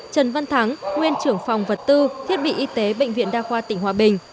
trần văn thắng nguyên trưởng phòng vật tư thiết bị y tế bệnh viện đa khoa tỉnh hòa bình